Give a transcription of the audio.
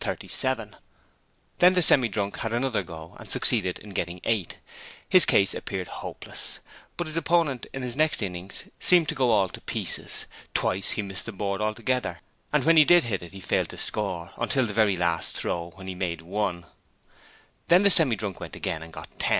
Then the Semi drunk had another go, and succeeded in getting 8. His case appeared hopeless, but his opponent in his next innings seemed to go all to pieces. Twice he missed the board altogether, and when he did hit it he failed to score, until the very last throw, when he made 1. Then the Semi drunk went in again and got 10.